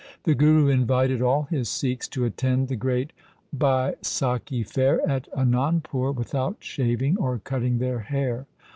The Guru invited all his Sikhs to attend the great Baisakhi fair at Anandpur without shaving or cutting their hair.